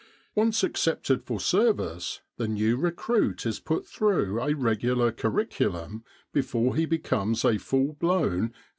Once accepted for service the new recruit is put through a regular curriculum before he becomes a full blown E.